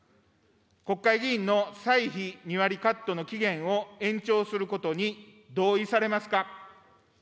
国会議員の歳費２割カットの期限を延長することに同意されますか。